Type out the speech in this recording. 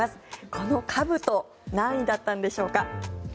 このかぶと何位だったんでしょうか。